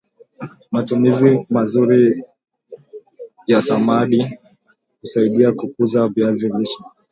matumizi mazuri ya samadi husaidia kukuza viazi lishe